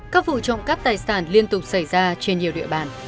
các vụ trộm cắp tài sản liên tục xảy ra trên nhiều địa bàn